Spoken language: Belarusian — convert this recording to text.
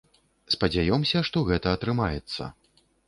Спадзяёмся, што гэта атрымаецца.